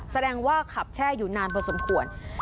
แสดงว่าขับแช่อยู่นานพอสมควร